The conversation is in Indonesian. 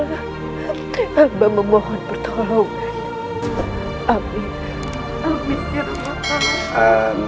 hamba memohon pertolongan